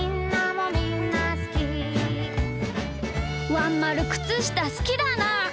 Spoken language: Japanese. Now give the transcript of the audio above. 「ワンまるくつしたすきだなー。